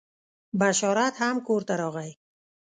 بشارت هم کور ته راغی.